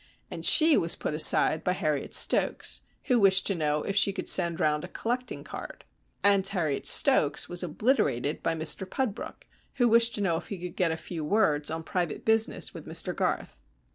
And she was put aside by Harriet Stokes, who wished to know if she could send round a collecting card. And Harriet Stokes was obliterated by Mr Pudbrook, who wished to know if he could get a few words on private business with Mr Garth.